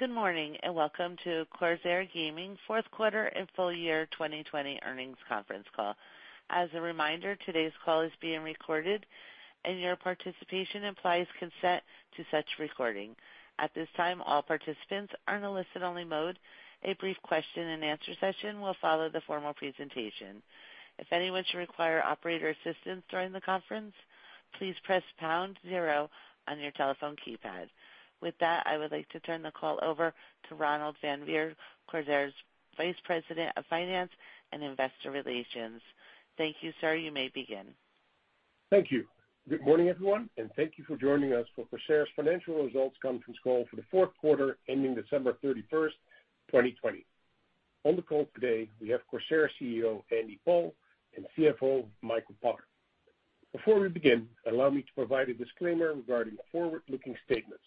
Good morning, and welcome to Corsair Gaming fourth quarter and full year 2020 earnings conference call. As a reminder, today's call is being recorded, and your participation implies consent to such recording. At this time, all participants are in a listen-only mode. A brief question and answer session will follow the formal presentation. If anyone should require operator assistance during the conference, please press pound zero on your telephone keypad. With that, I would like to turn the call over to Ronald van Veen, Corsair's Vice President of Finance and Investor Relations. Thank you, sir. You may begin. Thank you. Good morning, everyone, and thank you for joining us for Corsair's financial results conference call for the fourth quarter ending December 31st, 2020. On the call today, we have Corsair CEO, Andy Paul, and CFO, Michael Potter. Before we begin, allow me to provide a disclaimer regarding forward-looking statements.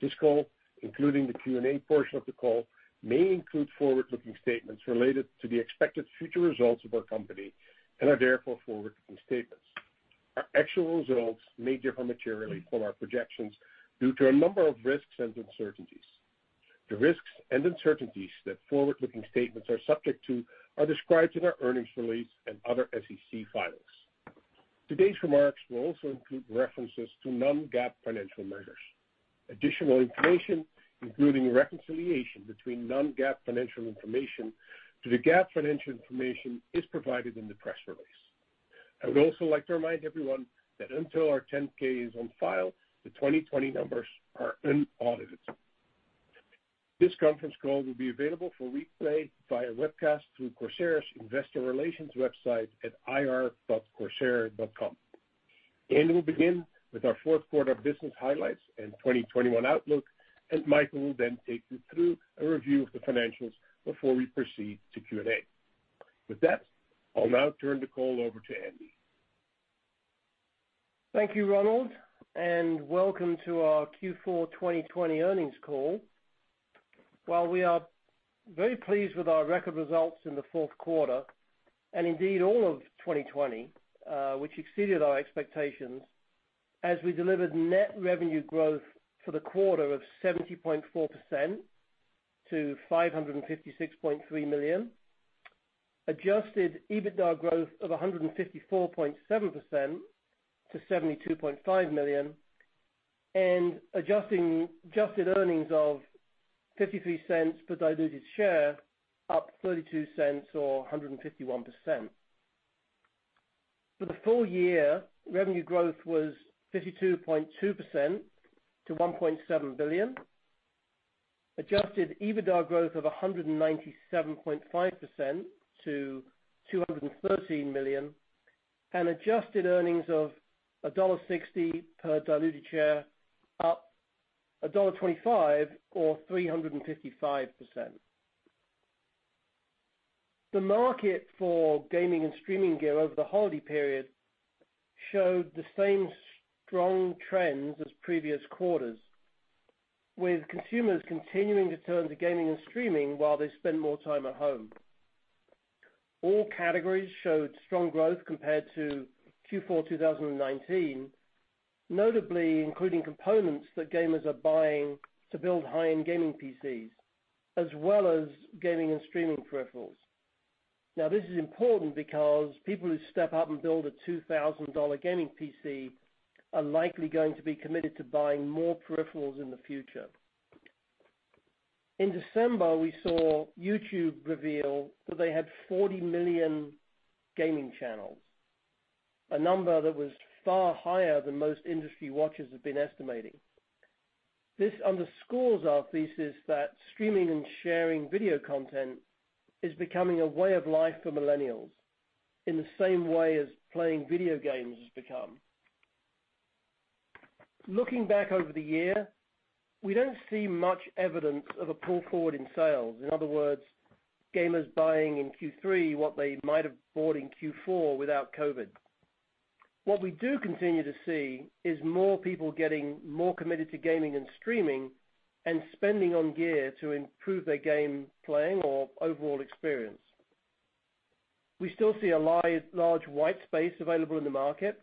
This call, including the Q&A portion of the call, may include forward-looking statements related to the expected future results of our company and are therefore forward-looking statements. Our actual results may differ materially from our projections due to a number of risks and uncertainties. The risks and uncertainties that forward-looking statements are subject to are described in our earnings release and other SEC filings. Today's remarks will also include references to non-GAAP financial measures. Additional information, including reconciliation between non-GAAP financial information to the GAAP financial information, is provided in the press release. I would also like to remind everyone that until our 10-K is on file, the 2020 numbers are unaudited. This conference call will be available for replay via webcast through Corsair's investor relations website at ir.corsair.com. Andy will begin with our fourth quarter business highlights and 2021 outlook, and Michael will then take you through a review of the financials before we proceed to Q&A. With that, I'll now turn the call over to Andy. Thank you, Ronald, and welcome to our Q4 2020 earnings call. While we are very pleased with our record results in the fourth quarter, and indeed all of 2020, which exceeded our expectations as we delivered net revenue growth for the quarter of 70.4% to $556.3 million, adjusted EBITDA growth of 154.7% to $72.5 million, and adjusted earnings of $0.53 per diluted share, up $0.32 or 151%. For the full year, revenue growth was 52.2% to $1.7 billion. Adjusted EBITDA growth of 197.5% to $213 million, and adjusted earnings of $1.60 per diluted share, up $1.25 or 355%. The market for gaming and streaming gear over the holiday period showed the same strong trends as previous quarters, with consumers continuing to turn to gaming and streaming while they spend more time at home. All categories showed strong growth compared to Q4 2019, notably including components that gamers are buying to build high-end gaming PCs, as well as gaming and streaming peripherals. This is important because people who step up and build a $2,000 gaming PC are likely going to be committed to buying more peripherals in the future. In December, we saw YouTube reveal that they had 40 million gaming channels, a number that was far higher than most industry watchers have been estimating. This underscores our thesis that streaming and sharing video content is becoming a way of life for millennials in the same way as playing video games has become. Looking back over the year, we don't see much evidence of a pull forward in sales. In other words, gamers buying in Q3 what they might have bought in Q4 without COVID. What we do continue to see is more people getting more committed to gaming and streaming and spending on gear to improve their game playing or overall experience. We still see a large white space available in the market,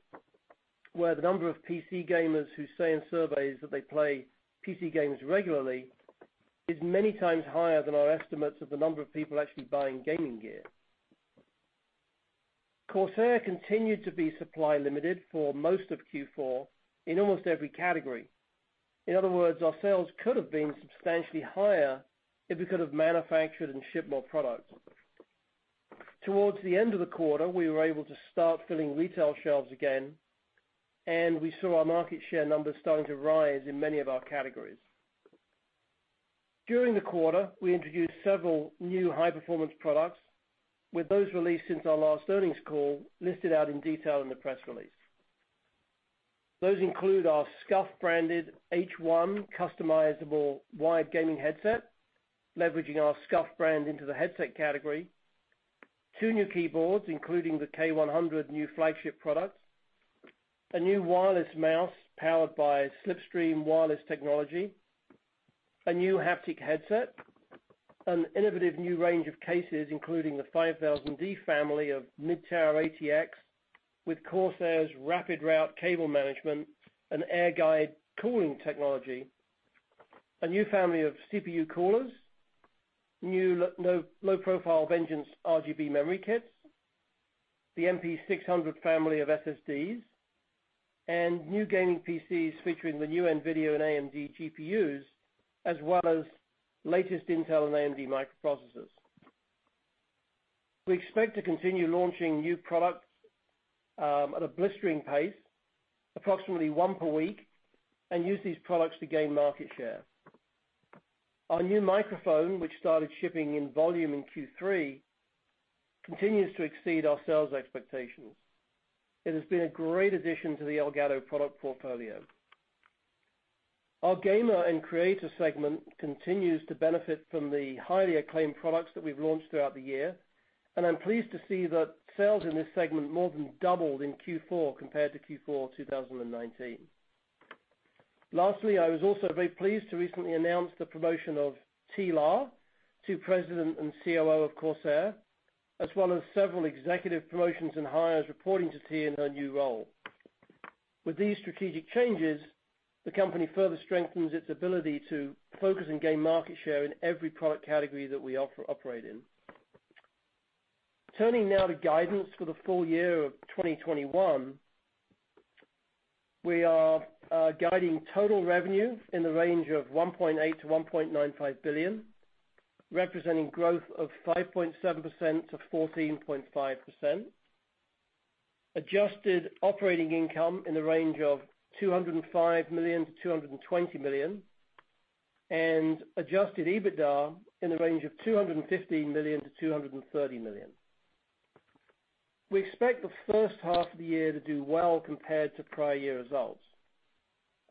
where the number of PC gamers who say in surveys that they play PC games regularly is many times higher than our estimates of the number of people actually buying gaming gear. Corsair continued to be supply-limited for most of Q4 in almost every category. In other words, our sales could have been substantially higher if we could have manufactured and shipped more product. Towards the end of the quarter, we were able to start filling retail shelves again, and we saw our market share numbers starting to rise in many of our categories. During the quarter, we introduced several new high-performance products, with those released since our last earnings call listed out in detail in the press release. Those include our SCUF-branded H1 customizable wired gaming headset, leveraging our SCUF brand into the headset category, two new keyboards, including the K100 new flagship product, a new wireless mouse powered by SLIPSTREAM wireless technology. A new haptic headset, an innovative new range of cases, including the 5000D family of mid-tower ATX with Corsair's RapidRoute cable management and AirGuide cooling technology, a new family of CPU coolers, new low profile VENGEANCE RGB memory kits, the MP600 family of SSDs, and new gaming PCs featuring the new NVIDIA and AMD GPUs, as well as latest Intel and AMD microprocessors. We expect to continue launching new products at a blistering pace, approximately one per week, and use these products to gain market share. Our new microphone, which started shipping in volume in Q3, continues to exceed our sales expectations. It has been a great addition to the Elgato product portfolio. Our Gamer and Creator Peripherals continues to benefit from the highly acclaimed products that we've launched throughout the year, and I'm pleased to see that sales in this segment more than doubled in Q4 compared to Q4 2019. Lastly, I was also very pleased to recently announce the promotion of Thi La to President and COO of Corsair, as well as several executive promotions and hires reporting to Thi in her new role. With these strategic changes, the company further strengthens its ability to focus and gain market share in every product category that we operate in. Turning now to guidance for the full year of 2021. We are guiding total revenue in the range of $1.8 billion-$1.95 billion, representing growth of 5.7%-14.5%. Adjusted operating income in the range of $205 million-$220 million, and adjusted EBITDA in the range of $215 million-$230 million. We expect the first half of the year to do well compared to prior year results.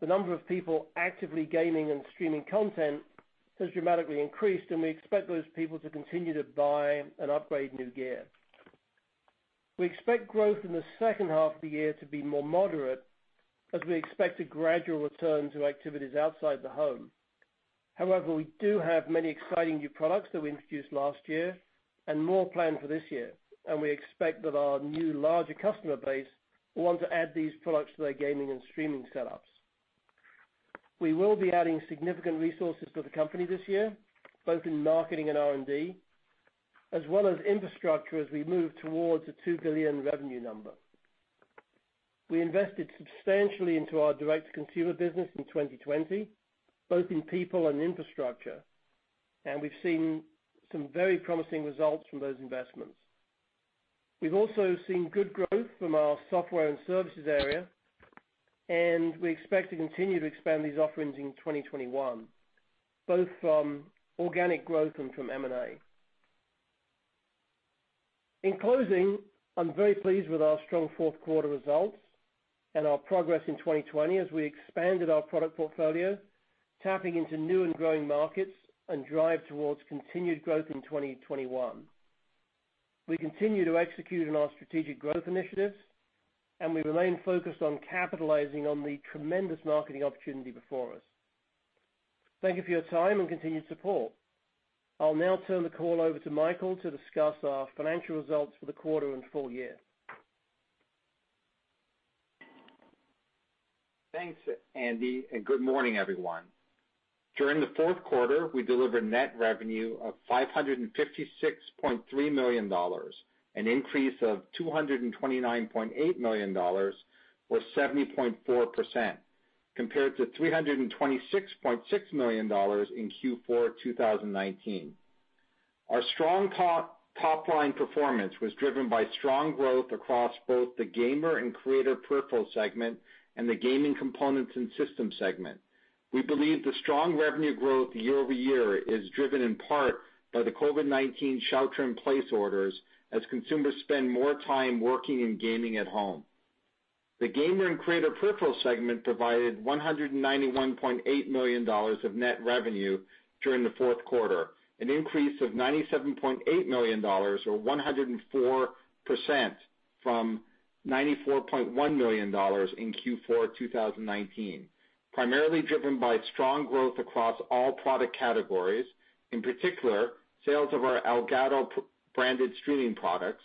The number of people actively gaming and streaming content has dramatically increased, and we expect those people to continue to buy and upgrade new gear. We expect growth in the second half of the year to be more moderate as we expect a gradual return to activities outside the home. However, we do have many exciting new products that we introduced last year and more planned for this year, and we expect that our new larger customer base will want to add these products to their gaming and streaming setups. We will be adding significant resources to the company this year, both in marketing and R&D, as well as infrastructure as we move towards a $2 billion revenue number. We invested substantially into our direct-to-consumer business in 2020, both in people and infrastructure, and we've seen some very promising results from those investments. We've also seen good growth from our software and services area, and we expect to continue to expand these offerings in 2021, both from organic growth and from M&A. In closing, I'm very pleased with our strong fourth quarter results and our progress in 2020 as we expanded our product portfolio, tapping into new and growing markets, and drive towards continued growth in 2021. We continue to execute on our strategic growth initiatives, and we remain focused on capitalizing on the tremendous marketing opportunity before us. Thank you for your time and continued support. I'll now turn the call over to Michael to discuss our financial results for the quarter and full year. Thanks, Andy, and good morning, everyone. During the fourth quarter, we delivered net revenue of $556.3 million, an increase of $229.8 million, or 70.4%, compared to $326.6 million in Q4 2019. Our strong top line performance was driven by strong growth across both the Gamer and Creator Peripherals segment and the Gaming Components and Systems segment. We believe the strong revenue growth year-over-year is driven in part by the COVID-19 shelter in place orders as consumers spend more time working and gaming at home. The Gamer and Creator Peripherals segment provided $191.8 million of net revenue during the fourth quarter, an increase of $97.8 million or 104% from $94.1 million in Q4 2019, primarily driven by strong growth across all product categories. In particular, sales of our Elgato-branded streaming products,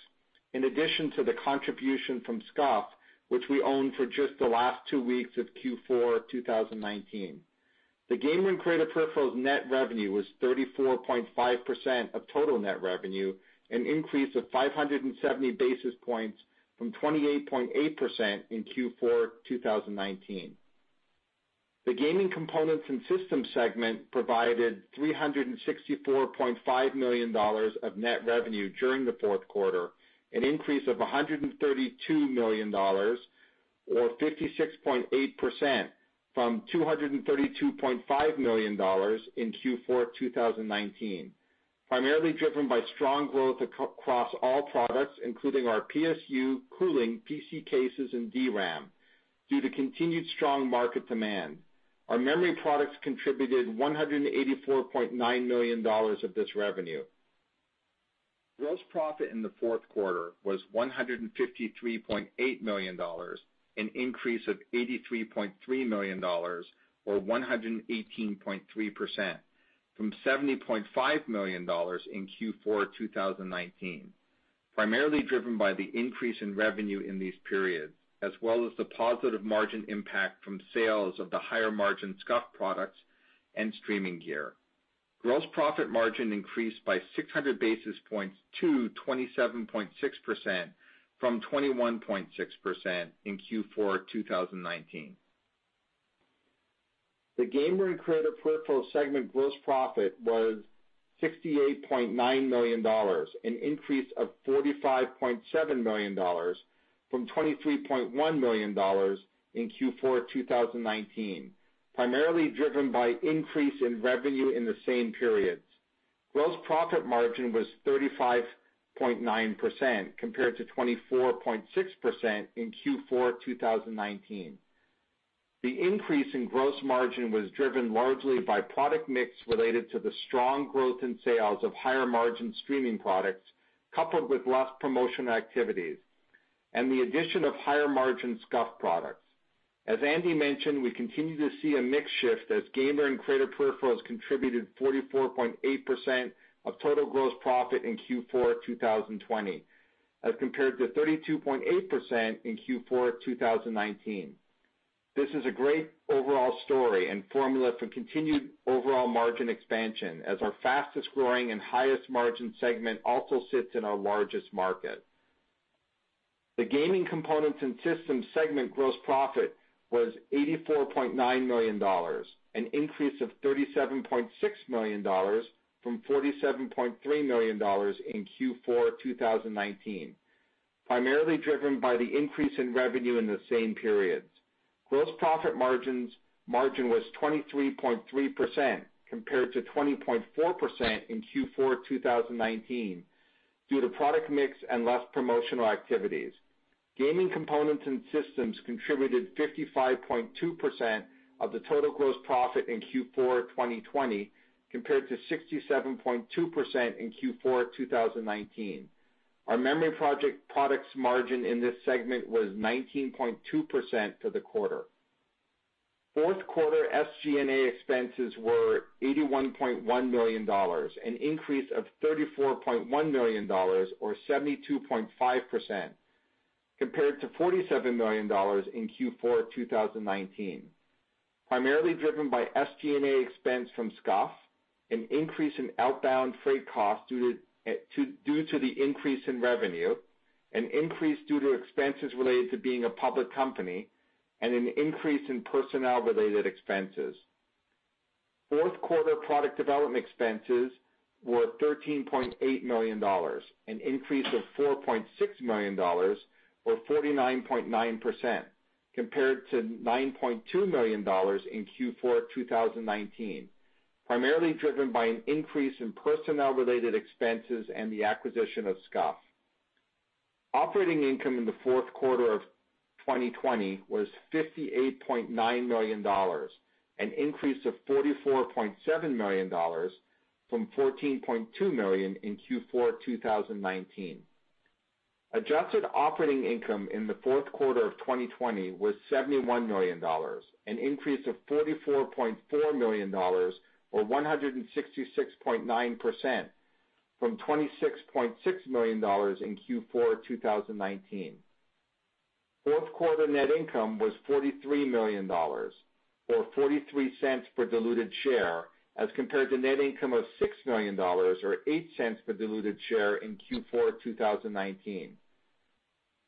in addition to the contribution from SCUF, which we owned for just the last two weeks of Q4 2019. The Gamer and Creator Peripherals net revenue was 34.5% of total net revenue, an increase of 570 basis points from 28.8% in Q4 2019. The Gaming Components and Systems segment provided $364.5 million of net revenue during the fourth quarter, an increase of $132 million or 56.8% from $232.5 million in Q4 2019, primarily driven by strong growth across all products, including our PSU, cooling, PC cases and DRAM, due to continued strong market demand. Our memory products contributed $184.9 million of this revenue. Gross profit in the fourth quarter was $153.8 million, an increase of $83.3 million, or 118.3%, from $70.5 million in Q4 2019, primarily driven by the increase in revenue in these periods, as well as the positive margin impact from sales of the higher margin SCUF products and streaming gear. Gross profit margin increased by 600 basis points to 27.6% from 21.6% in Q4 2019. The Gamer and Creator Peripherals segment gross profit was $68.9 million, an increase of $45.7 million from $23.1 million in Q4 2019, primarily driven by increase in revenue in the same periods. Gross profit margin was 35.9% compared to 24.6% in Q4 2019. The increase in gross margin was driven largely by product mix related to the strong growth in sales of higher margin streaming products, coupled with less promotion activities and the addition of higher margin SCUF products. As Andy mentioned, we continue to see a mix shift as Gamer and Creator Peripherals contributed 44.8% of total gross profit in Q4 2020 as compared to 32.8% in Q4 2019. This is a great overall story and formula for continued overall margin expansion, as our fastest-growing and highest margin segment also sits in our largest market. The Gaming Components and Systems segment gross profit was $84.9 million, an increase of $37.6 million from $47.3 million in Q4 2019, primarily driven by the increase in revenue in the same periods. Gross profit margin was 23.3% compared to 20.4% in Q4 2019 due to product mix and less promotional activities. Gaming Components and Systems contributed 55.2% of the total gross profit in Q4 2020 compared to 67.2% in Q4 2019. Our memory products margin in this segment was 19.2% for the quarter. Fourth quarter SG&A expenses were $81.1 million, an increase of $34.1 million or 72.5%, compared to $47 million in Q4 2019, primarily driven by SG&A expense from SCUF, an increase in outbound freight costs due to the increase in revenue, an increase due to expenses related to being a public company, and an increase in personnel-related expenses. Fourth quarter product development expenses were $13.8 million, an increase of $4.6 million or 49.9%, compared to $9.2 million in Q4 2019, primarily driven by an increase in personnel-related expenses and the acquisition of SCUF. Operating income in the fourth quarter of 2020 was $58.9 million, an increase of $44.7 million from $14.2 million in Q4 2019. Adjusted operating income in the fourth quarter of 2020 was $71 million, an increase of $44.4 million or 166.9% from $26.6 million in Q4 2019. Fourth quarter net income was $43 million, or $0.43 per diluted share as compared to net income of $6 million or $0.08 per diluted share in Q4 2019.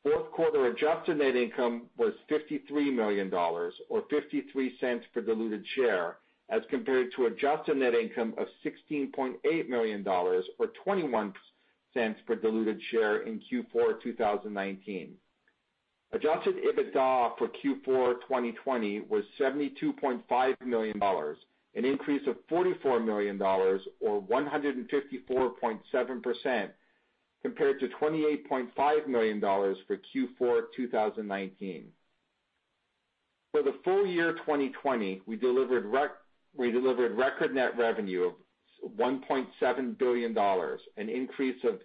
Fourth quarter adjusted net income was $53 million, or $0.53 per diluted share as compared to adjusted net income of $16.8 million or $0.21 per diluted share in Q4 2019. Adjusted EBITDA for Q4 2020 was $72.5 million, an increase of $44 million, or 154.7%, compared to $28.5 million for Q4 2019. For the full year 2020, we delivered record net revenue of $1.7 billion, an increase of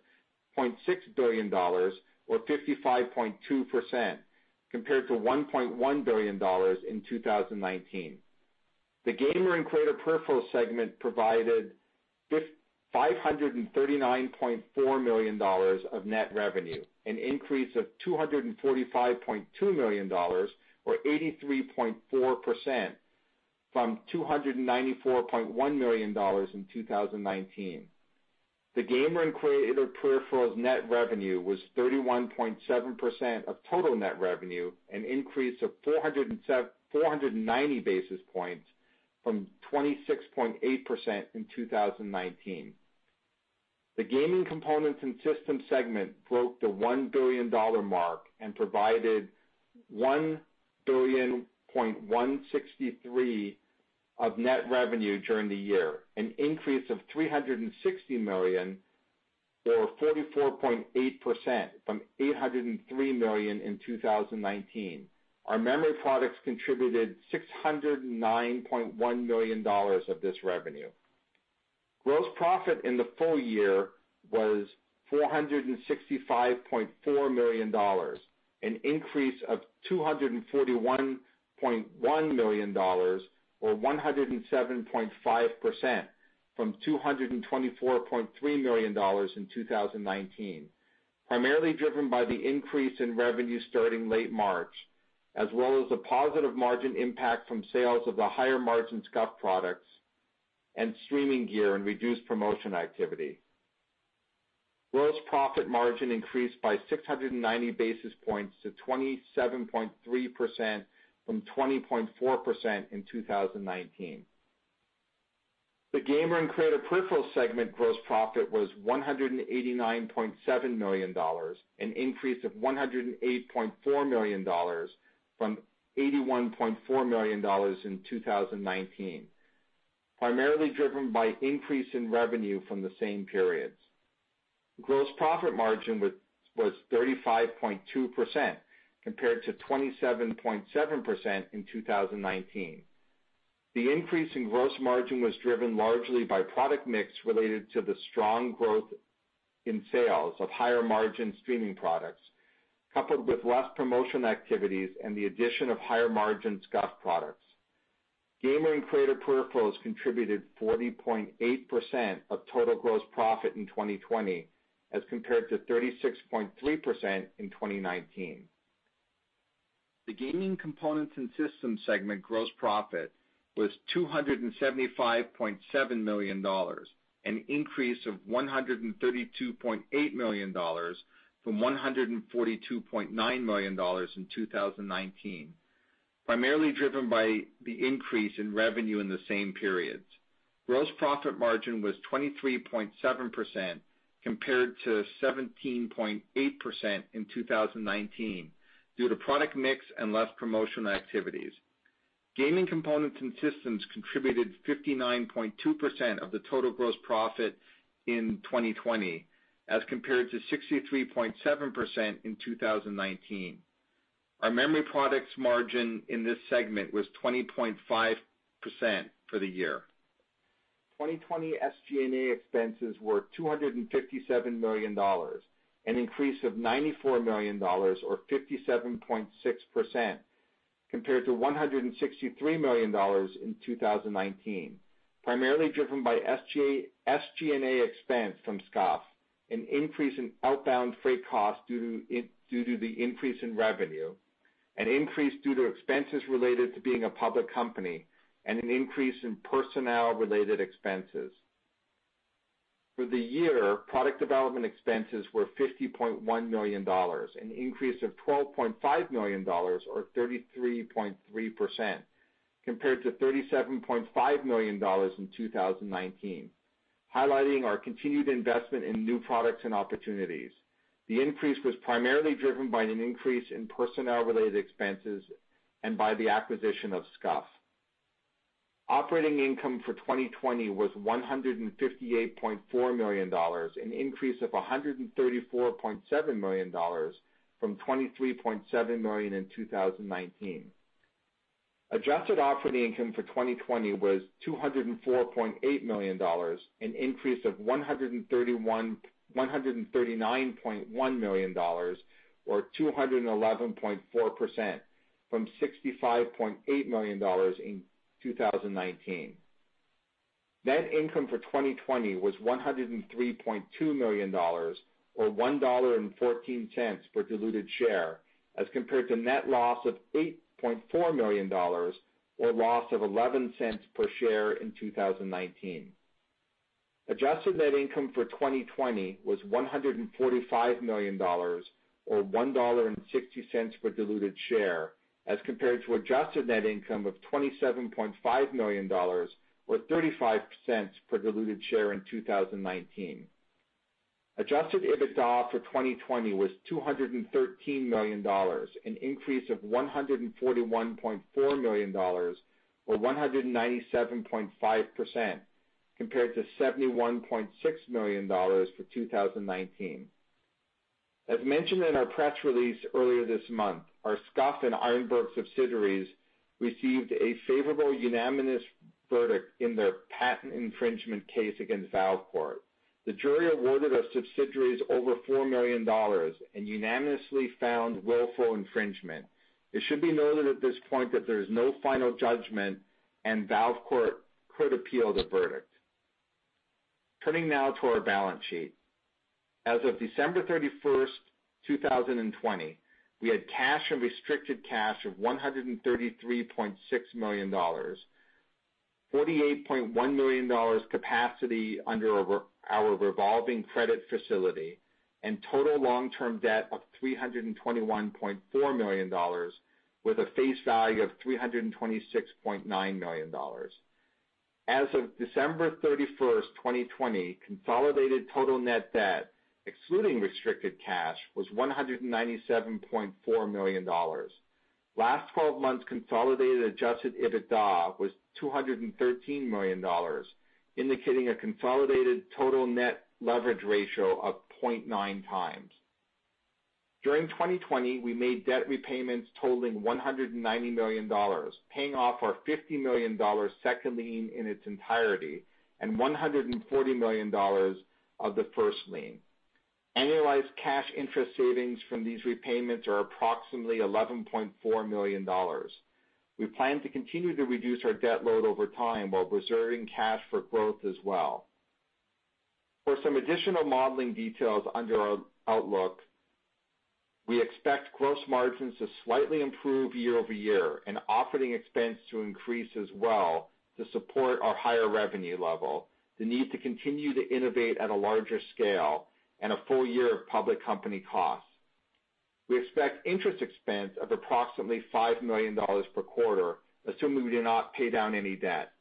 $0.6 billion or 55.2%, compared to $1.1 billion in 2019. The Gamer and Creator Peripherals segment provided $539.4 million of net revenue, an increase of $245.2 million, or 83.4%, from $294.1 million in 2019. The Gamer and Creator Peripherals net revenue was 31.7% of total net revenue, an increase of 490 basis points from 26.8% in 2019. The Gaming Components and Systems segment broke the $1 billion mark and provided $1.163 billion of net revenue during the year, an increase of $360 million or 44.8% from $803 million in 2019. Our memory products contributed $609.1 million of this revenue. Gross profit in the full year was $465.4 million, an increase of $241.1 million or 107.5% from $224.3 million in 2019, primarily driven by the increase in revenue starting late March, as well as the positive margin impact from sales of the higher margin SCUF products and streaming gear and reduced promotion activity. Gross profit margin increased by 690 basis points to 27.3% from 20.4% in 2019. The Gamer and Creator Peripherals segment gross profit was $189.7 million, an increase of $108.4 million from $81.4 million in 2019, primarily driven by increase in revenue from the same periods. Gross profit margin was 35.2%, compared to 27.7% in 2019. The increase in gross margin was driven largely by product mix related to the strong growth in sales of higher margin streaming products, coupled with less promotion activities and the addition of higher margin SCUF products. Gamer and Creator Peripherals contributed 40.8% of total gross profit in 2020 as compared to 36.3% in 2019. The Gaming Components and Systems segment gross profit was $275.7 million, an increase of $132.8 million from $142.9 million in 2019, primarily driven by the increase in revenue in the same periods. Gross profit margin was 23.7% compared to 17.8% in 2019 due to product mix and less promotional activities. Gaming Components and Systems contributed 59.2% of the total gross profit in 2020 as compared to 63.7% in 2019. Our memory products margin in this segment was 20.5% for the year. 2020 SG&A expenses were $257 million, an increase of $94 million or 57.6% compared to $163 million in 2019, primarily driven by SG&A expense from SCUF, an increase in outbound freight cost due to the increase in revenue, an increase due to expenses related to being a public company, and an increase in personnel-related expenses. For the year, product development expenses were $50.1 million, an increase of $12.5 million or 33.3% compared to $37.5 million in 2019, highlighting our continued investment in new products and opportunities. The increase was primarily driven by an increase in personnel-related expenses and by the acquisition of SCUF. Operating income for 2020 was $158.4 million, an increase of $134.7 million from $23.7 million in 2019. Adjusted operating income for 2020 was $204.8 million, an increase of $139.1 million or 211.4% from $65.8 million in 2019. Net income for 2020 was $103.2 million or $1.14 per diluted share as compared to net loss of $8.4 million or loss of $0.11 per share in 2019. Adjusted net income for 2020 was $145 million or $1.60 per diluted share as compared to adjusted net income of $27.5 million or $0.35 per diluted share in 2019. Adjusted EBITDA for 2020 was $213 million, an increase of $141.4 million or 197.5% compared to $71.6 million for 2019. As mentioned in our press release earlier this month, our SCUF and Ironburg subsidiaries received a favorable unanimous verdict in their patent infringement case against Valve Corp. The jury awarded our subsidiaries over $4 million and unanimously found willful infringement. It should be noted at this point that there is no final judgment and Valve Corp could appeal the verdict. Turning now to our balance sheet. As of December 31st, 2020, we had cash and restricted cash of $133.6 million, $48.1 million capacity under our revolving credit facility, and total long-term debt of $321.4 million with a face value of $326.9 million. As of December 31st, 2020, consolidated total net debt, excluding restricted cash was $197.4 million. Last 12 months consolidated adjusted EBITDA was $213 million, indicating a consolidated total net leverage ratio of 0.9x. During 2020, we made debt repayments totaling $190 million, paying off our $50 million second lien in its entirety and $140 million of the first lien. Annualized cash interest savings from these repayments are approximately $11.4 million. We plan to continue to reduce our debt load over time while reserving cash for growth as well. For some additional modeling details under our outlook, we expect gross margins to slightly improve year-over-year and operating expense to increase as well to support our higher revenue level, the need to continue to innovate at a larger scale, and a full year of public company costs. We expect interest expense of approximately $5 million per quarter, assuming we do not pay down any debt.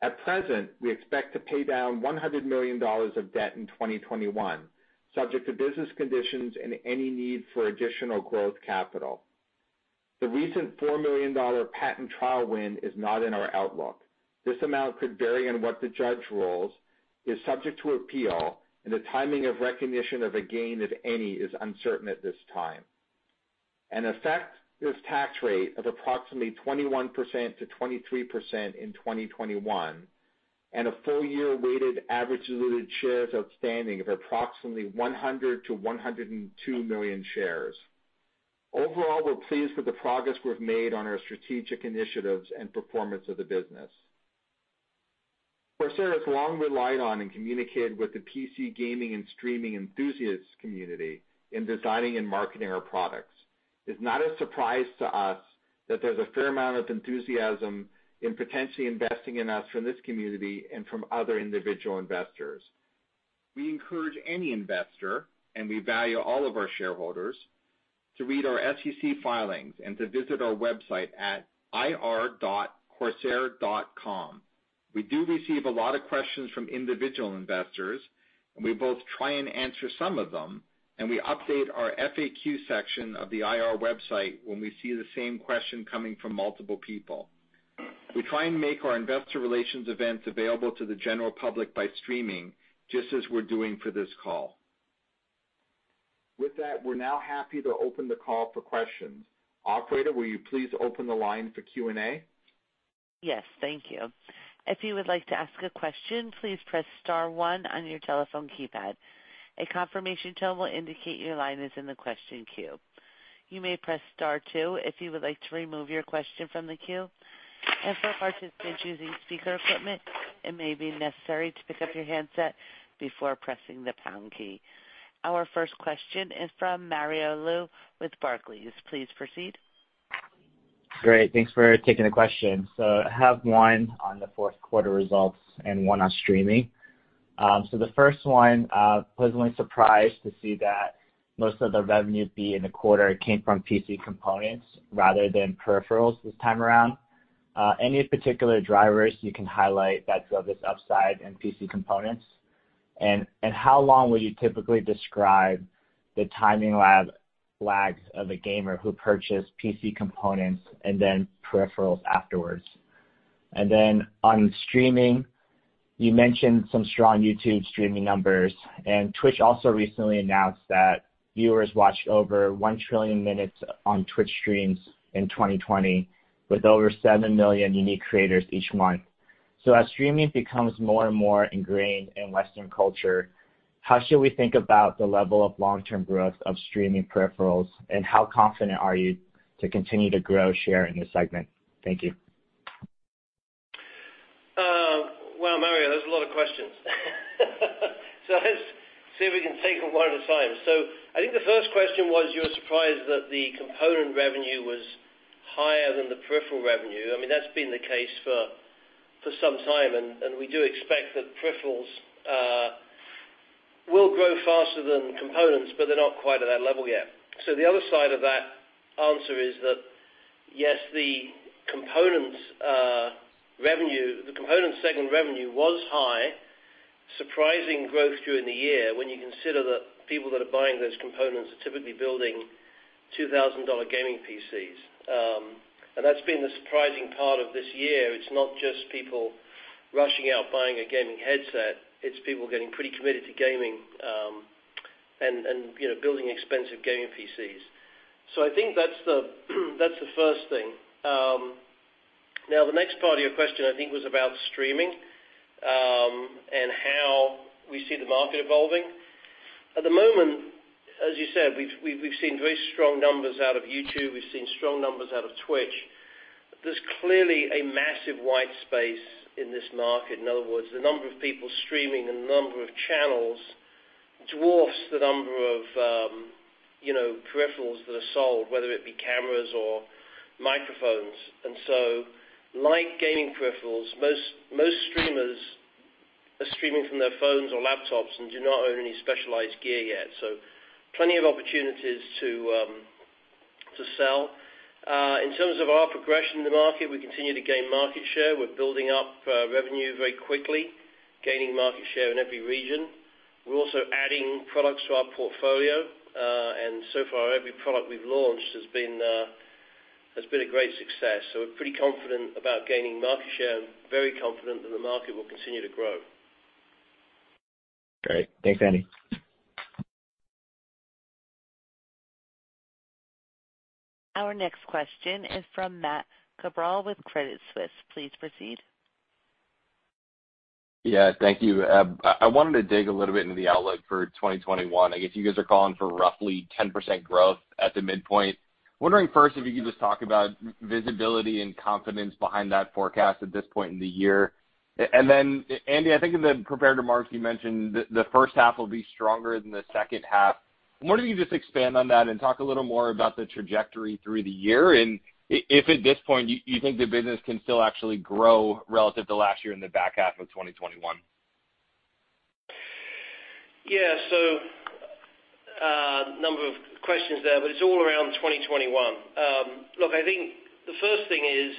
At present, we expect to pay down $100 million of debt in 2021, subject to business conditions and any need for additional growth capital. The recent $4 million patent trial win is not in our outlook. This amount could vary on what the judge rules, is subject to appeal, and the timing of recognition of a gain, if any, is uncertain at this time. Effective tax rate of approximately 21%-23% in 2021, and a full-year weighted average diluted shares outstanding of approximately 100 million-102 million shares. Overall, we're pleased with the progress we've made on our strategic initiatives and performance of the business. Corsair has long relied on and communicated with the PC gaming and streaming enthusiasts community in designing and marketing our products. It's not a surprise to us that there's a fair amount of enthusiasm in potentially investing in us from this community and from other individual investors. We encourage any investor, and we value all of our shareholders, to read our SEC filings and to visit our website at ir.corsair.com. We do receive a lot of questions from individual investors, and we both try and answer some of them, and we update our FAQ section of the IR website when we see the same question coming from multiple people. We try and make our investor relations events available to the general public by streaming, just as we're doing for this call. With that, we're now happy to open the call for questions. Operator, will you please open the line for Q&A? Yes. Thank you. If you would like to ask a question, please press star one on your telephone keypad. A confirmation tone will indicate your line is in the question queue. You may press star two if you would like to remove your question from the queue. For participants using speaker equipment, it may be necessary to pick up your handset before pressing the pound key. Our first question is from Mario Lu with Barclays. Please proceed. Great. Thanks for taking the question. I have one on the fourth quarter results and one on streaming. The first one, pleasantly surprised to see that most of the revenue beat in the quarter came from PC components rather than peripherals this time around. Any particular drivers you can highlight that drove this upside in PC components? How long would you typically describe the timing lags of a gamer who purchased PC components and then peripherals afterwards? Then on streaming, you mentioned some strong YouTube streaming numbers, and Twitch also recently announced that viewers watched over 1 trillion minutes on Twitch streams in 2020, with over 7 million unique creators each month. As streaming becomes more and more ingrained in Western culture, how should we think about the level of long-term growth of streaming peripherals, and how confident are you to continue to grow share in this segment? Thank you. Well, Mario, that's a lot of questions. Let's see if we can take them one at a time. I think the first question was you were surprised that the component revenue was higher than the peripheral revenue. That's been the case for some time, and we do expect that peripherals will grow faster than components, but they're not quite at that level yet. The other side of that answer is that, yes, the component segment revenue was high, surprising growth during the year when you consider that people that are buying those components are typically building $2,000 gaming PCs. That's been the surprising part of this year. It's not just people rushing out buying a gaming headset, it's people getting pretty committed to gaming and building expensive gaming PCs. I think that's the first thing. Now, the next part of your question, I think, was about streaming and how we see the market evolving. At the moment, as you said, we've seen very strong numbers out of YouTube, we've seen strong numbers out of Twitch. There's clearly a massive white space in this market. In other words, the number of people streaming and the number of channels dwarfs the number of peripherals that are sold, whether it be cameras or microphones. Like gaming peripherals, most streamers are streaming from their phones or laptops and do not own any specialized gear yet. Plenty of opportunities to sell. In terms of our progression in the market, we continue to gain market share. We're building up revenue very quickly, gaining market share in every region. We're also adding products to our portfolio, and so far, every product we've launched has been a great success. We're pretty confident about gaining market share and very confident that the market will continue to grow. Great. Thanks, Andy. Our next question is from Matt Cabral with Credit Suisse. Please proceed. Yeah, thank you. I wanted to dig a little bit into the outlook for 2021. I guess you guys are calling for roughly 10% growth at the midpoint. Wondering first if you could just talk about visibility and confidence behind that forecast at this point in the year. Then, Andy, I think in the prepared remarks, you mentioned the first half will be stronger than the second half. I'm wondering if you could just expand on that and talk a little more about the trajectory through the year, and if at this point, you think the business can still actually grow relative to last year in the back half of 2021. Yeah. A number of questions there, but it's all around 2021. Look, I think the first thing is,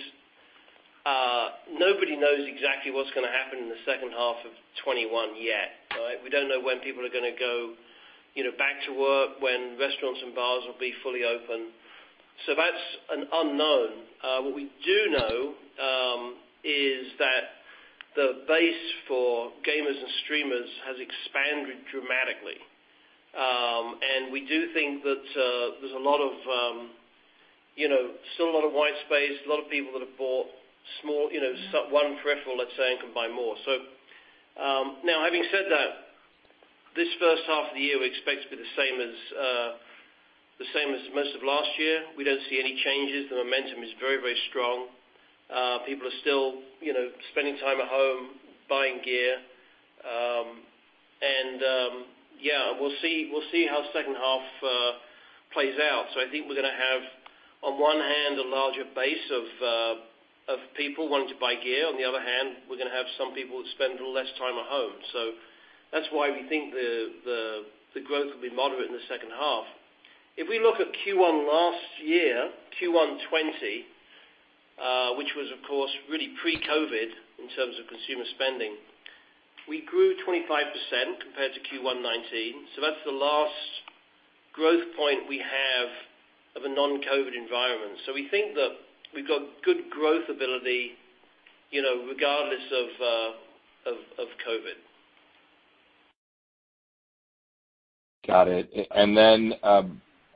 nobody knows exactly what's going to happen in the second half of 2021 yet, right? We don't know when people are going to go back to work, when restaurants and bars will be fully open. That's an unknown. What we do know is that the base for gamers and streamers has expanded dramatically. We do think that there's still a lot of white space, a lot of people that have bought one peripheral, let's say, and can buy more. Now, having said that, this first half of the year, we expect to be the same as most of last year. We don't see any changes. The momentum is very strong. People are still spending time at home buying gear. Yeah, we'll see how the second half plays out. I think we're going to have, on one hand, a larger base of people wanting to buy gear. On the other hand, we're going to have some people spend a little less time at home. That's why we think the growth will be moderate in the second half. If we look at Q1 last year, Q1 2020, which was, of course, really pre-COVID in terms of consumer spending, we grew 25% compared to Q1 2019. That's the last growth point we have of a non-COVID environment. We think that we've got good growth ability regardless of COVID. Got it. Then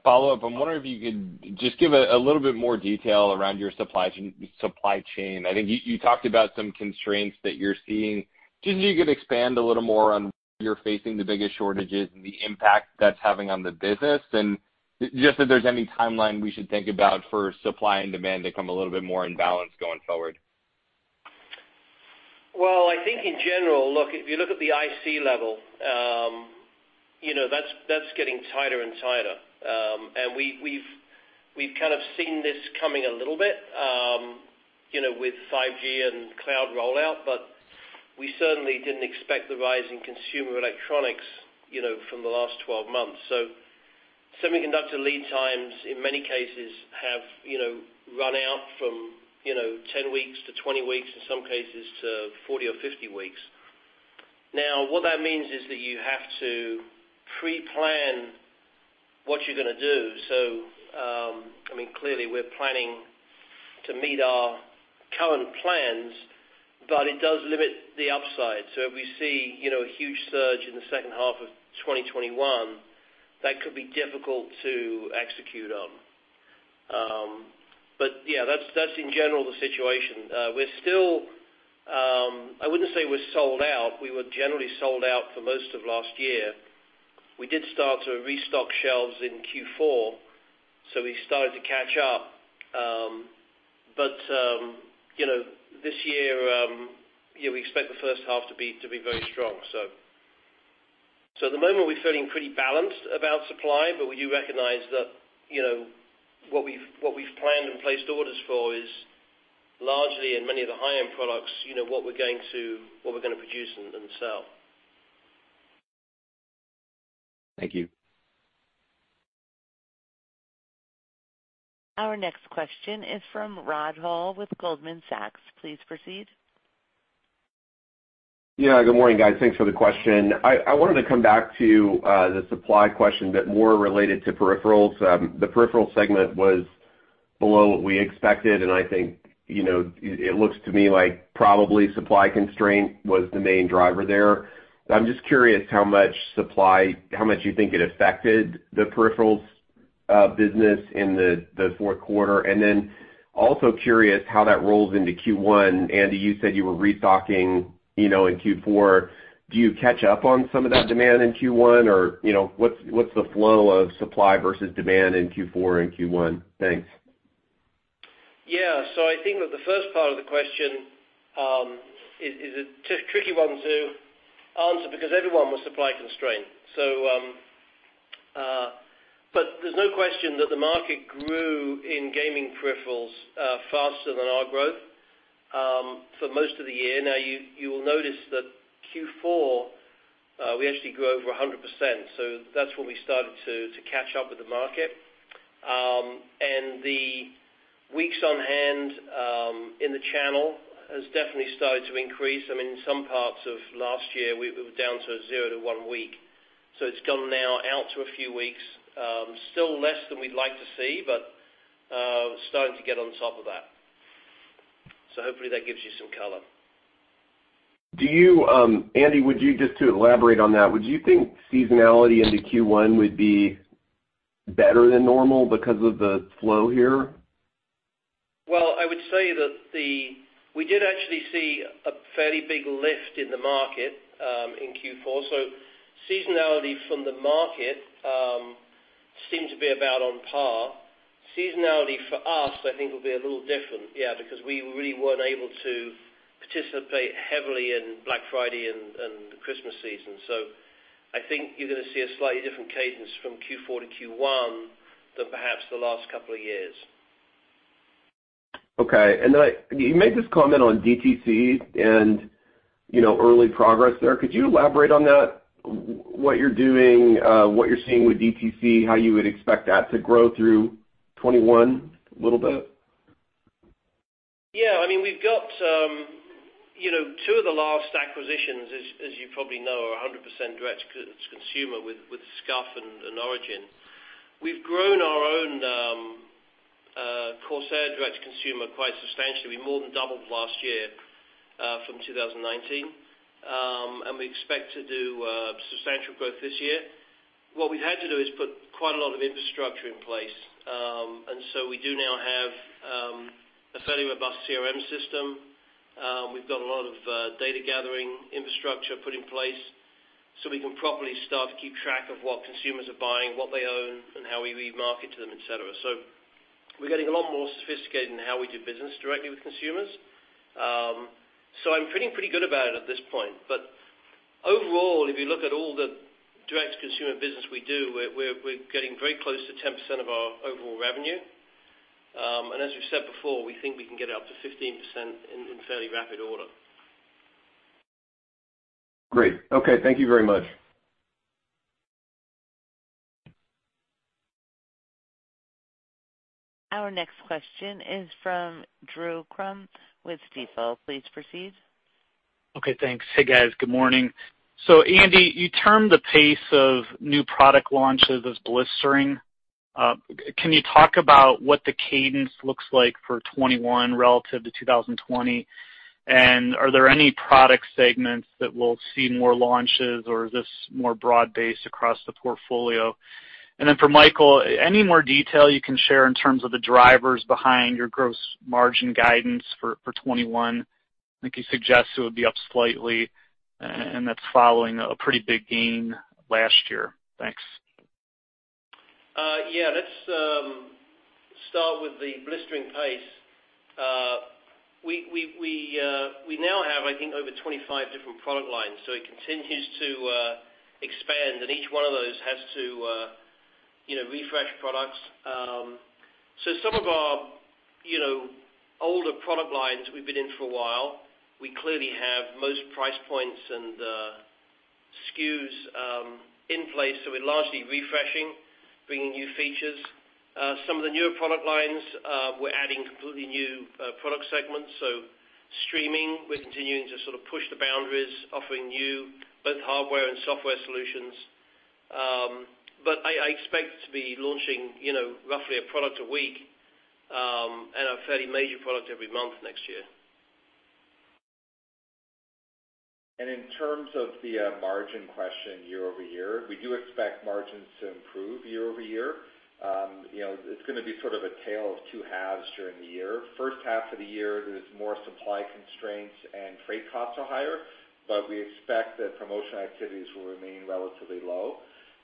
follow-up, I'm wondering if you could just give a little bit more detail around your supply chain. I think you talked about some constraints that you're seeing. Just if you could expand a little more on where you're facing the biggest shortages and the impact that's having on the business, and just if there's any timeline we should think about for supply and demand to come a little bit more in balance going forward. Well, I think in general, if you look at the IC level, that's getting tighter and tighter. We've kind of seen this coming a little bit with 5G and cloud rollout, but we certainly didn't expect the rise in consumer electronics from the last 12 months. Semiconductor lead times, in many cases, have run out from 10 weeks-20 weeks, in some cases to 40 or 50 weeks. Now, what that means is that you have to pre-plan what you're going to do. Clearly we're planning to meet our current plans, but it does limit the upside. If we see a huge surge in the second half of 2021, that could be difficult to execute on. But yeah, that's in general the situation. We're still, I wouldn't say we're sold out. We were generally sold out for most of last year. We did start to restock shelves in Q4, we started to catch up. This year, we expect the first half to be very strong. At the moment, we're feeling pretty balanced about supply, we do recognize that what we've planned and placed orders for is largely in many of the high-end products, what we're going to produce and sell. Thank you. Our next question is from Rod Hall with Goldman Sachs. Please proceed. Yeah. Good morning, guys. Thanks for the question. I wanted to come back to the supply question, but more related to peripherals. The peripherals segment was below what we expected, I think it looks to me like probably supply constraint was the main driver there. I'm just curious how much you think it affected the peripherals business in the fourth quarter. Also curious how that rolls into Q1. Andy, you said you were restocking in Q4. Do you catch up on some of that demand in Q1, or what's the flow of supply versus demand in Q4 and Q1? Thanks. Yeah. I think that the first part of the question is a tricky one to answer because everyone was supply constrained. There's no question that the market grew in gaming peripherals faster than our growth for most of the year. You will notice that Q4, we actually grew over 100%, so that's when we started to catch up with the market. The weeks on hand in the channel has definitely started to increase. In some parts of last year, we were down to zero to one week. It's gone now out to a few weeks. Still less than we'd like to see, but starting to get on top of that. Hopefully that gives you some color. Andy, just to elaborate on that, would you think seasonality into Q1 would be better than normal because of the flow here? Well, I would say that we did actually see a fairly big lift in the market in Q4, so seasonality from the market seemed to be about on par. Seasonality for us, I think, will be a little different, yeah, because we really weren't able to participate heavily in Black Friday and the Christmas season. I think you're going to see a slightly different cadence from Q4 to Q1 than perhaps the last couple of years. You made this comment on DTC and early progress there. Could you elaborate on that, what you're doing, what you're seeing with DTC, how you would expect that to grow through 2021 a little bit? Yeah, we've got two of the last acquisitions, as you probably know, are 100% direct-to-consumer with SCUF and ORIGIN. We've grown our own Corsair direct-to-consumer quite substantially. We more than doubled last year from 2019, we expect to do substantial growth this year. What we've had to do is put quite a lot of infrastructure in place. We do now have a fairly robust CRM system. We've got a lot of data-gathering infrastructure put in place so we can properly start to keep track of what consumers are buying, what they own, and how we market to them, et cetera. We're getting a lot more sophisticated in how we do business directly with consumers. I'm feeling pretty good about it at this point. Overall, if you look at all the direct-to-consumer business we do, we're getting very close to 10% of our overall revenue. As we've said before, we think we can get it up to 15% in fairly rapid order. Great. Okay. Thank you very much. Our next question is from Drew Crum with Stifel. Please proceed. Okay, thanks. Hey, guys. Good morning. Andy, you termed the pace of new product launches as blistering. Can you talk about what the cadence looks like for 2021 relative to 2020? Are there any product segments that will see more launches, or is this more broad-based across the portfolio? For Michael, any more detail you can share in terms of the drivers behind your gross margin guidance for 2021? I think you suggest it would be up slightly, and that's following a pretty big gain last year. Thanks. Yeah, let's start with the blistering pace. We now have, I think, over 25 different product lines, so it continues to expand, and each one of those has to refresh products. Some of our older product lines we've been in for a while, we clearly have most price points and SKUs in place, so we're largely refreshing, bringing new features. Some of the newer product lines, we're adding completely new product segments. Streaming, we're continuing to push the boundaries, offering new both hardware and software solutions. I expect to be launching roughly a product a week, and a fairly major product every month next year. In terms of the margin question year-over-year, we do expect margins to improve year-over-year. It's going to be a tale of two halves during the year. First half of the year, there's more supply constraints and freight costs are higher, but we expect that promotional activities will remain relatively low.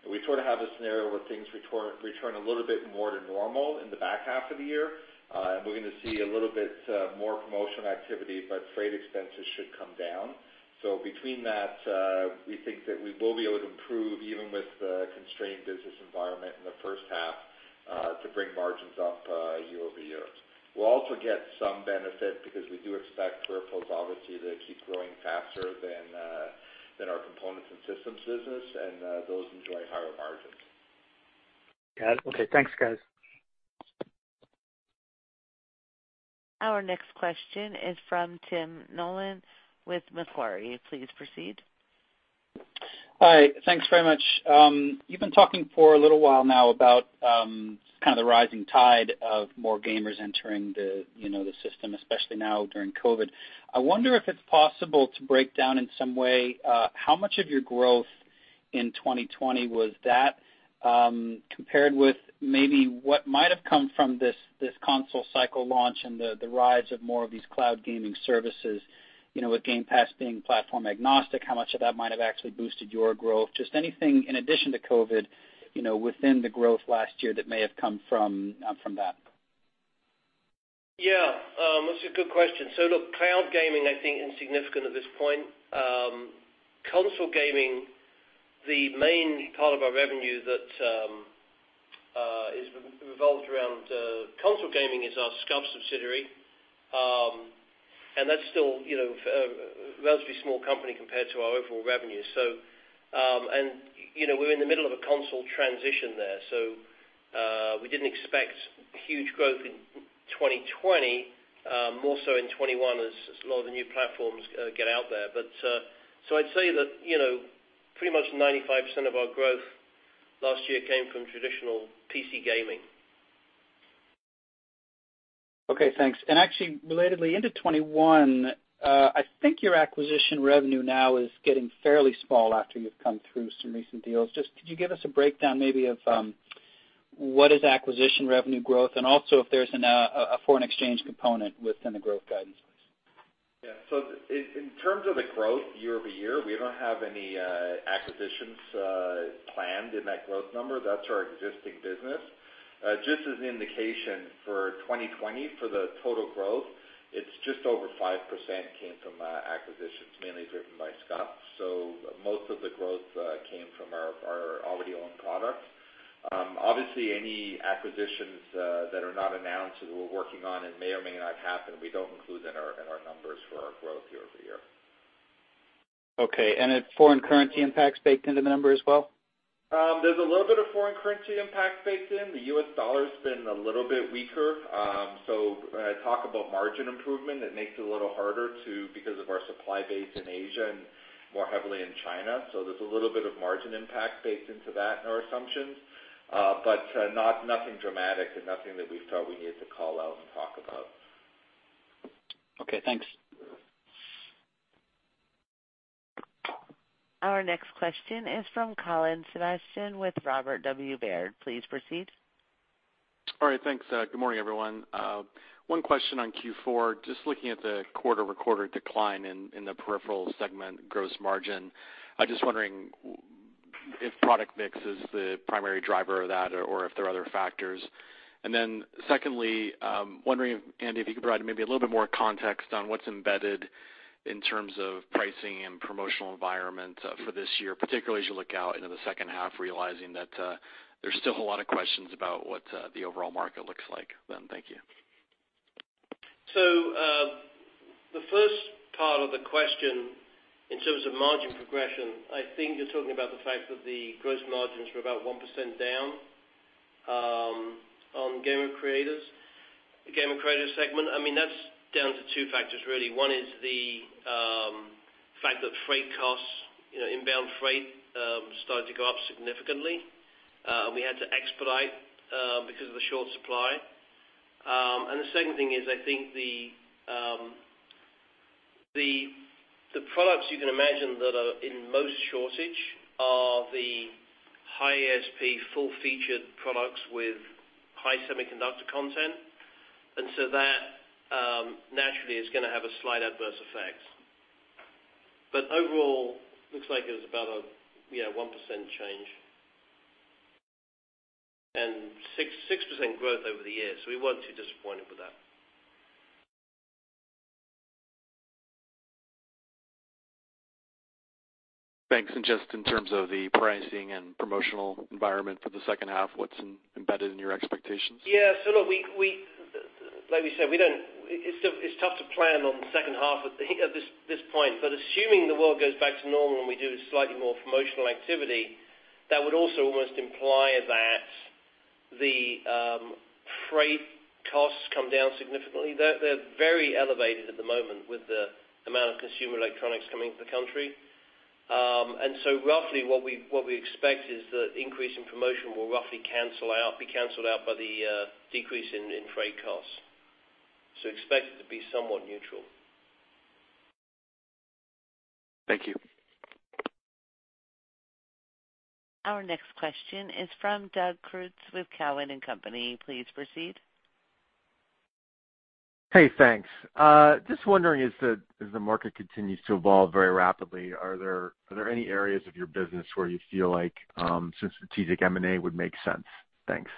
We sort of have a scenario where things return a little bit more to normal in the back half of the year, and we're going to see a little bit more promotional activity, but freight expenses should come down. Between that, we think that we will be able to improve, even with the constrained business environment in the first half, to bring margins up year-over-year. We'll also get some benefit because we do expect peripherals obviously to keep growing faster than our components and systems business, and those enjoy higher margins. Got it. Okay. Thanks, guys. Our next question is from Tim Nollen with Macquarie. Please proceed. Hi. Thanks very much. You've been talking for a little while now about the rising tide of more gamers entering the system, especially now during COVID. I wonder if it's possible to break down in some way how much of your growth in 2020 was that compared with maybe what might have come from this console cycle launch and the rise of more of these cloud gaming services, with Game Pass being platform agnostic, how much of that might have actually boosted your growth? Just anything in addition to COVID within the growth last year that may have come from that. Yeah. That's a good question. Look, cloud gaming, I think, insignificant at this point. Console gaming, the main part of our revenue that is revolved around console gaming is our SCUF subsidiary, and that's still a relatively small company compared to our overall revenue. We're in the middle of a console transition there, we didn't expect huge growth in 2020, more so in 2021 as a lot of the new platforms get out there. I'd say that pretty much 95% of our growth last year came from traditional PC gaming. Okay, thanks. Actually relatedly into 2021, I think your acquisition revenue now is getting fairly small after you've come through some recent deals. Just could you give us a breakdown maybe of what is acquisition revenue growth and also if there's a foreign exchange component within the growth guidance, please? Yeah. In terms of the growth year-over-year, we don't have any acquisitions planned in that growth number. That's our existing business. Just as an indication for 2020 for the total growth, it's just over 5% came from acquisitions, mainly driven by SCUF. Most of the growth came from our already owned products. Obviously, any acquisitions that are not announced that we're working on and may or may not happen, we don't include in our numbers for our growth year-over-year. Okay, are foreign currency impacts baked into the number as well? There's a little bit of foreign currency impact baked in. The U.S. dollar's been a little bit weaker. When I talk about margin improvement, it makes it a little harder to because of our supply base in Asia and more heavily in China. There's a little bit of margin impact baked into that in our assumptions. Nothing dramatic and nothing that we felt we needed to call out and talk about. Okay, thanks. Our next question is from Colin Sebastian with Robert W. Baird. Please proceed. All right, thanks. Good morning, everyone. One question on Q4, just looking at the quarter-over-quarter decline in the peripheral segment gross margin, I'm just wondering if product mix is the primary driver of that or if there are other factors. Secondly, wondering if, Andy, if you could provide maybe a little bit more context on what's embedded in terms of pricing and promotional environment for this year, particularly as you look out into the second half realizing that there's still a lot of questions about what the overall market looks like then. Thank you. The first part of the question in terms of margin progression, I think you're talking about the fact that the gross margins were about 1% down on Gamer and Creator. The Gamer and Creator segment, that's down to two factors really. One is the fact that freight costs, inbound freight, started to go up significantly. We had to expedite because of the short supply. The second thing is I think the products you can imagine that are in most shortage are the high ASP full-featured products with high semiconductor content. That naturally is going to have a slight adverse effect. Overall, looks like it was about a 1% change and 6% growth over the year, so we weren't too disappointed with that. Thanks. Just in terms of the pricing and promotional environment for the second half, what's embedded in your expectations? Yeah. Look, like we said, it's tough to plan on the second half at this point. Assuming the world goes back to normal and we do slightly more promotional activity, that would also almost imply that the freight costs come down significantly. They're very elevated at the moment with the amount of consumer electronics coming into the country. Roughly what we expect is that increase in promotion will roughly be canceled out by the decrease in freight costs. Expect it to be somewhat neutral. Thank you. Our next question is from Doug Creutz with Cowen and Company. Please proceed. Hey, thanks. Just wondering, as the market continues to evolve very rapidly, are there any areas of your business where you feel like some strategic M&A would make sense? Thanks.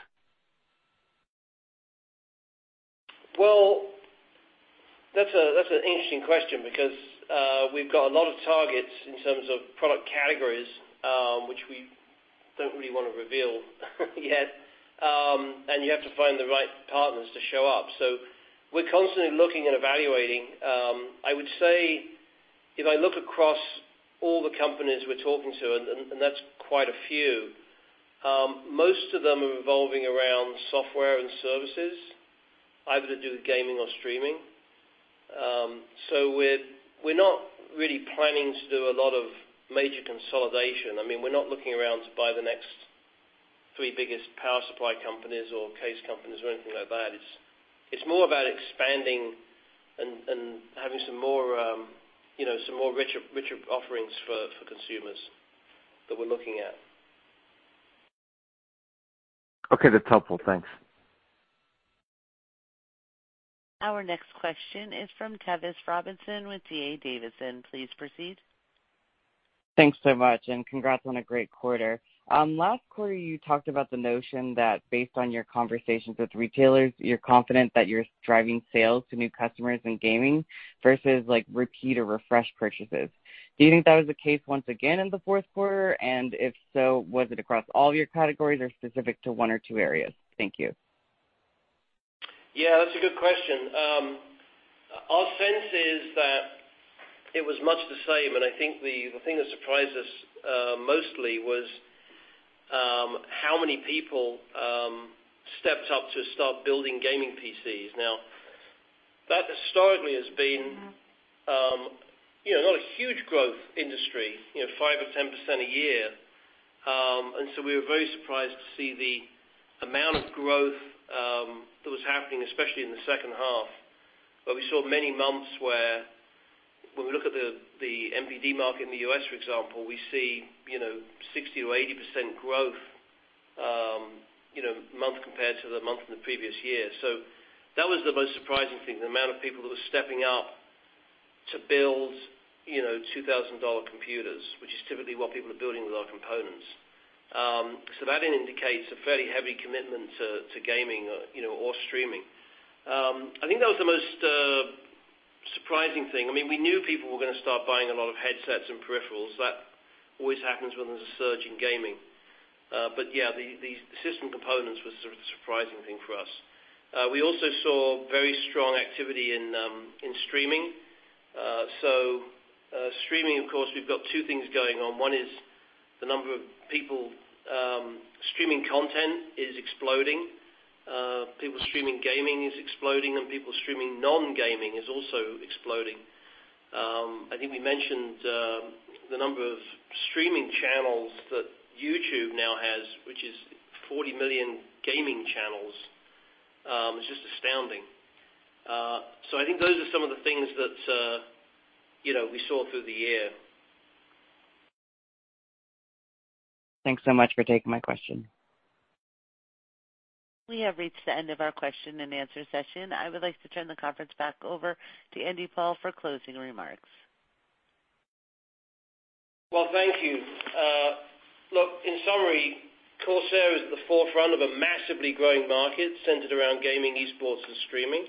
Well, that's an interesting question because we've got a lot of targets in terms of product categories, which we don't really want to reveal yet. You have to find the right partners to show up. We're constantly looking and evaluating. I would say if I look across all the companies we're talking to, and that's quite a few, most of them are revolving around software and services either to do with gaming or streaming. We're not really planning to do a lot of major consolidation. We're not looking around to buy the next three biggest power supply companies or case companies or anything like that. It's more about expanding and having some more richer offerings for consumers that we're looking at. Okay, that's helpful. Thanks. Our next question is from Tevis Robinson with D.A. Davidson. Please proceed. Thanks so much. Congrats on a great quarter. Last quarter you talked about the notion that based on your conversations with retailers, you're confident that you're driving sales to new customers in gaming versus repeat or refresh purchases. Do you think that was the case once again in the fourth quarter, and if so, was it across all your categories or specific to one or two areas? Thank you. Yeah, that's a good question. Our sense is that it was much the same, and I think the thing that surprised us mostly was how many people stepped up to start building gaming PCs. That historically has been not a huge growth industry, 5% or 10% a year. We were very surprised to see the amount of growth that was happening, especially in the second half. We saw many months where, when we look at the DIY market in the U.S., for example, we see 60%-80% growth month compared to the month in the previous year. That was the most surprising thing, the amount of people that were stepping up to build $2,000 computers, which is typically what people are building with our components. I think that was the most surprising thing. We knew people were going to start buying a lot of headsets and peripherals. That always happens when there's a surge in gaming. Yeah, the system components was a surprising thing for us. We also saw very strong activity in streaming. Streaming, of course, we've got two things going on. One is the number of people streaming content is exploding. People streaming gaming is exploding, and people streaming non-gaming is also exploding. I think we mentioned the number of streaming channels that YouTube now has, which is 40 million gaming channels, is just astounding. I think those are some of the things that we saw through the year. Thanks so much for taking my question. We have reached the end of our question and answer session. I would like to turn the conference back over to Andy Paul for closing remarks. Well, thank you. Look, in summary, Corsair is at the forefront of a massively growing market centered around gaming, esports, and streaming.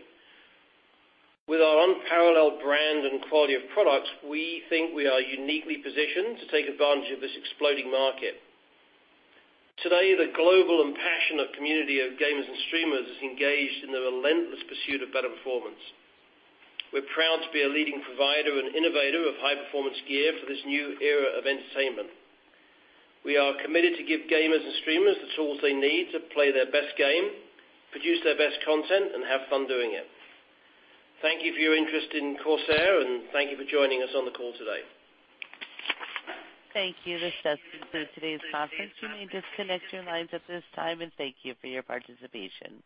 With our unparalleled brand and quality of products, we think we are uniquely positioned to take advantage of this exploding market. Today, the global and passionate community of gamers and streamers is engaged in the relentless pursuit of better performance. We're proud to be a leading provider and innovator of high-performance gear for this new era of entertainment. We are committed to give gamers and streamers the tools they need to play their best game, produce their best content, and have fun doing it. Thank you for your interest in Corsair, and thank you for joining us on the call today. Thank you. This does conclude today's conference. You may disconnect your lines at this time, and thank you for your participation.